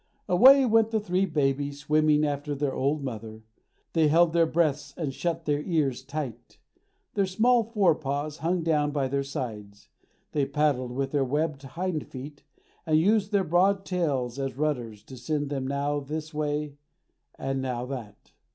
Away went the three babies swimming after the old mother. They held their breaths, and shut their ears tight. Their small fore paws hung down by their sides. They paddled with their webbed hind feet, and used their broad tails as rudders, to send them now this way, now that.